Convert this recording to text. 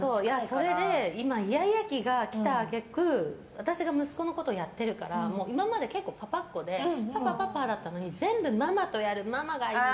それで今イヤイヤ期が来た揚げ句私が息子のことをやってるから今まで、結構パパっ子でパパ、パパだったのに全部、ママとやる、ママがいい。